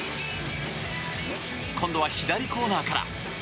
今度は左コーナーから。